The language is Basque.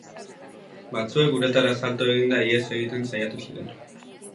Batzuek uretara salto eginda ihes egiten saiatu ziren.